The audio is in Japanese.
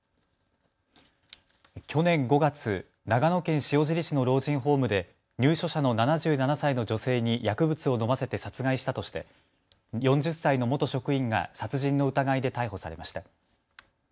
去年５月、長野県塩尻市の老人ホームで入所者の７７歳の女性に薬物を飲ませて殺害したとして４０歳の元職員が殺人の疑いで逮捕されました。